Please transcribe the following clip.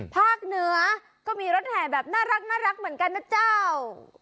ภาคเหนือก็มีรถแห่แบบน่ารักเหมือนกันนะเจ้า